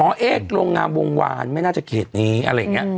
เอ๊ะโรงงามวงวานไม่น่าจะเขตนี้อะไรอย่างนี้